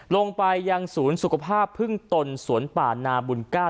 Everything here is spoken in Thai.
ลงไปยังศูนย์สุขภาพพึ่งตนสวนป่านาบุญ๙